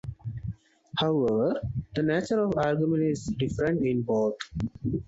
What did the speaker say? However, the nature of arguments is different in both.